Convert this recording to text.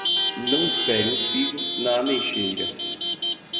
Não espere um figo na ameixeira!